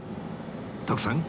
徳さん